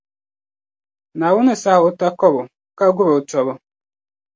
Naawuni ni sahi o takɔbi ka guri o tɔbu.